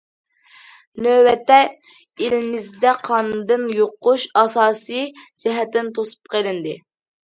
نۆۋەتتە، ئېلىمىزدە قاندىن يۇقۇش ئاساسىي جەھەتتىن توسۇپ قېلىندى.